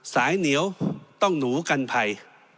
สายเหนียวต้องหนูกันภัย